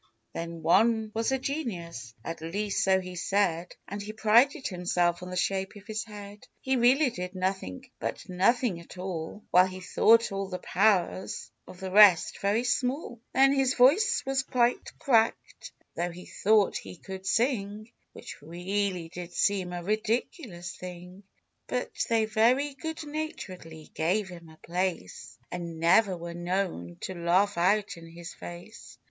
Then one was a genius, — at least so he said, — And he prided himself on the shape of his head. He really did nothing but nothing at all, While he thought all the powers of the rest very small ; THE OLD MAGPIE. 103 Then his voice was quite cracked, tho' he thought he could sing, Which really did seem a ridiculous thing ; But they very good naturedly gave him a place, And never were known to laugh out in his face.